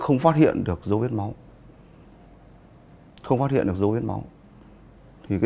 xung quanh hiện trường không có dấu vết nào nghi là của ống thủ đề lạ